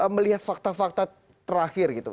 melihat fakta fakta terakhir gitu